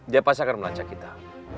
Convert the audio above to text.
dia pasti akan melacak kita